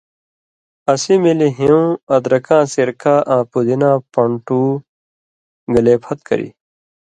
اسی ملی ہیُوں، ادرکاں سِرکہ آں پودیناں پن٘ڑٹو گلے پھت کری